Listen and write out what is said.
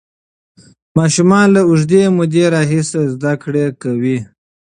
ماشومان له اوږدې مودې راهیسې زده کړه کوي.